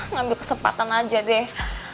ngambil kesempatan aja deh